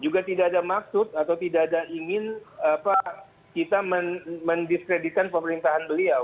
juga tidak ada maksud atau tidak ada ingin kita mendiskreditkan pemerintahan beliau